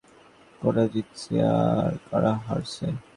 কারা জিতছে, আর কারা হারছে?